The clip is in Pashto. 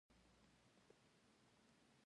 په پخوا وختونو کې خلک خزانه ښخوله.